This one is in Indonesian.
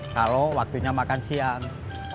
kalau waktunya makan siang